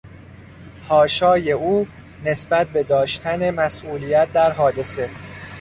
حاشای او نسبت به داشتن مسئولیت در حادثه